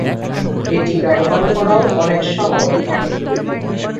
এটি ব্যবহার করাও অনেক সহজ।